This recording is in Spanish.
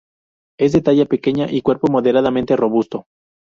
Es de talla pequeña y cuerpo moderadamente robusto.